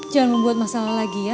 jangan membuat masalah lagi ya